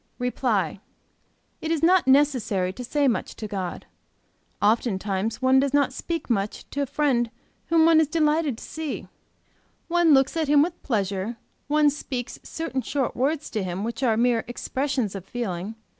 "REPLY. It is not necessary to say much to God. Oftentimes one does not speak much to a friend whom one is delighted to see; one looks at him with pleasure; one speaks certain short words to him which are mere expressions of feeling.